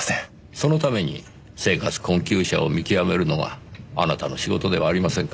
そのために生活困窮者を見極めるのがあなたの仕事ではありませんか？